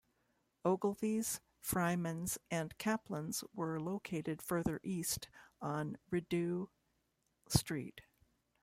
Ogilvy's, Freimans and Caplan's were located further east, on Rideau Street.